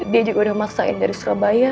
dia juga udah maksain dari surabaya